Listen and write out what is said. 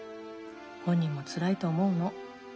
本人もつらいと思うの。